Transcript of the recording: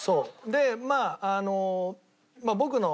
でまああの。